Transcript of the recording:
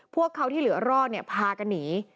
พวกเขาที่เหลือรอดพากันหนี